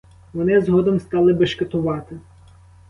Вони згодом стали бешкетувати.